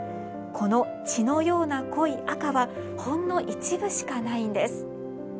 この血のような濃い赤はほんの一部しかないんです。